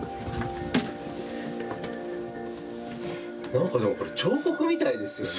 何かでもこれ彫刻みたいですよね。